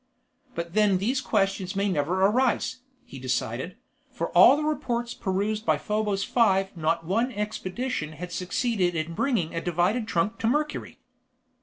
But then these questions may never arise, he decided, for of all the reports perused by Probos Five not one expedition had succeeded in bringing a divided trunk to Mercury.